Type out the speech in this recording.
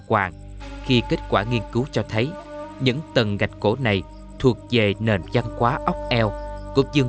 quan khi kết quả nghiên cứu cho thấy những tầng gạch cổ này thuộc về nền văn hóa ốc eo của dương